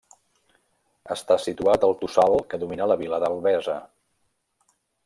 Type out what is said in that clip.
Està situat al tossal que domina la vila d'Albesa.